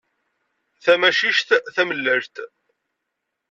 Tamcict tamellalt.